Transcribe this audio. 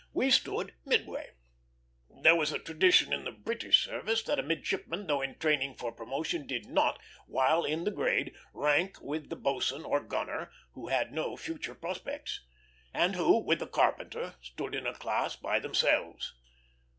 We stood midway. There was a tradition in the British service that a midshipman, though in training for promotion, did not, while in the grade, rank with the boatswain or gunner, who had no future prospects, and who, with the carpenter, stood in a class by themselves.